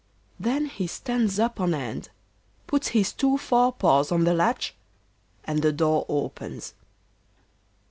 Then he stands up on end, puts his two fore paws on the latch and the door opens.